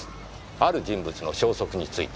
ある人物の消息について。